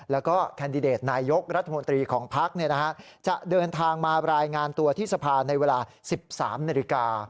แล้วก็แคนดิเดตนายกรัฐมนตรีของภักดิ์จะเดินทางมารายงานตัวที่สภาในเวลา๑๓นาฬิกา